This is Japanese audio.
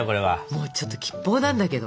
もうちょっと吉報なんだけど。